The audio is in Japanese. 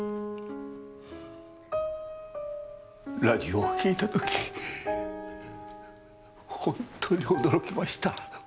ラジオを聴いた時本当に驚きました。